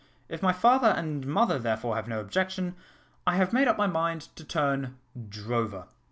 If my father and mother, therefore, have no objection, I have made up my mind to turn drover."